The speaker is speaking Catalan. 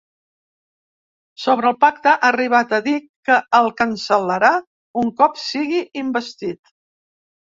Sobre el pacte ha arribat a dir que el cancel·larà un cop sigui investit.